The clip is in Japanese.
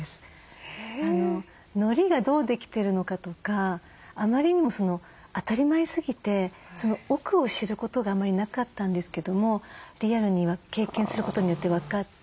のりがどうできてるのかとかあまりにも当たり前すぎてその奥を知ることがあまりなかったんですけどもリアルに経験することによって分かって。